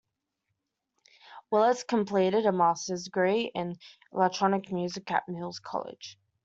Willits completed a master's degree in electronic music at Mills College.